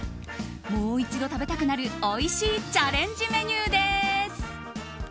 もう一度食べたくなるおいしいチャレンジメニューです。